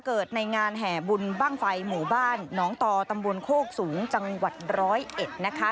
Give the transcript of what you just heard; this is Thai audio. ในงานแห่บุญบ้างไฟหมู่บ้านหนองตอตำบลโคกสูงจังหวัดร้อยเอ็ดนะคะ